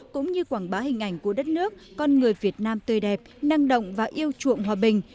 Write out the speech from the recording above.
cũng như quảng bá hình ảnh của đất nước con người việt nam tươi đẹp năng động và yêu chuộng hòa bình